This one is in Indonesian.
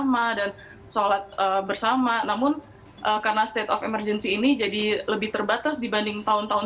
melalui bersama namun karena state of emergency ini jadi lebih terbatas dibanding tahun tahun